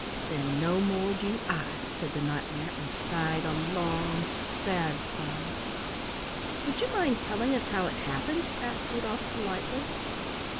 "Then no more do I," said the Knight mare, and sighed a long sad sigh. "Would you mind telling us how it happened?" asked Rudolf politely.